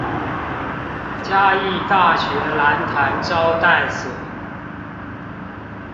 嘉義大學蘭潭招待所